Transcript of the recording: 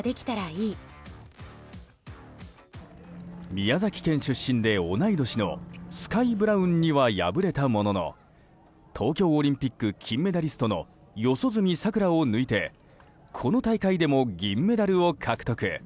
宮崎県出身で同い年のスカイ・ブラウンには敗れたものの東京オリンピック金メダリストの四十住さくらを抜いてこの大会でも銀メダルを獲得。